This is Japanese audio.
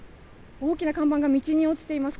大きな看板が道に落ちています。